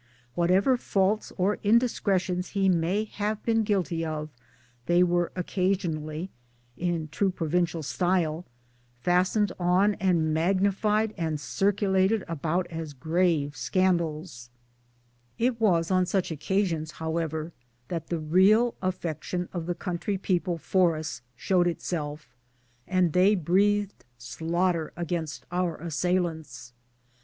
: Whatever faults or indiscretions he may have been guilty of, they were occasionally (in true provincial style) fastened on and magnified and circulated about as grave scandals. It was on such occasions 1 64 MY DAYS AND DREAMS however that the real affection of the country people for us showed itself, and they breathed slaughter against our assailants.